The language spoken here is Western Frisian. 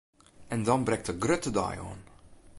En dan brekt de grutte dei oan!